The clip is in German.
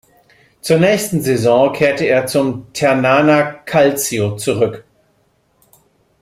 Zur nächsten Saison kehrte er zum Ternana Calcio zurück.